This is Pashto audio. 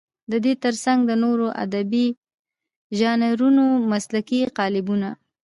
د دې تر څنګ د نورو ادبي ژانرونو مسلکي قالبونه.